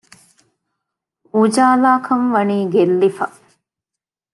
އުޖާލާކަންވަނީ ގެއްލިފަ